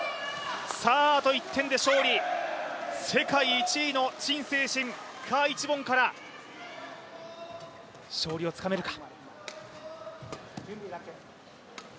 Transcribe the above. あと１点で勝利、世界１位の陳清晨、賈一凡から、勝利をつかめるか。